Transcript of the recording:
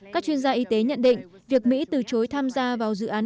các chuyên gia y tế nhận định việc mỹ từ chối tham gia vào dự án